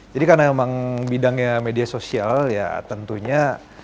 jadi karena memang bidangnya media sosial ya tentunya